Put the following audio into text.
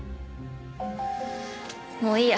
もういいや。